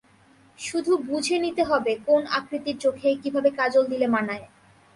শুধু বুঝে নিতে হবে কোন আকৃতির চোখে কীভাবে কাজল দিলে মানায়।